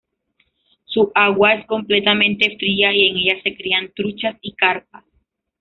Su agua es completamente fría y en ella se crían truchas y carpas.